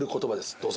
どうぞ。